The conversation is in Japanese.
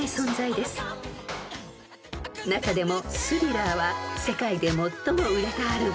［中でも］